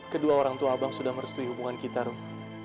kedua orang tua abang sudah merestui hubungan kita dong